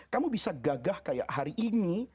kamu bisa gagah kayak hari ini